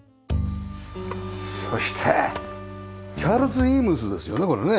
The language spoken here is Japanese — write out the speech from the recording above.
そしてチャールズイームズですよねこれね。